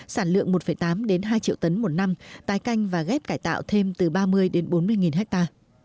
sản lượng một tám hai triệu tấn một năm tái canh và ghép cải tạo thêm từ ba mươi đến bốn mươi ha